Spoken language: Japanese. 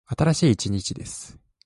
新しい一日です。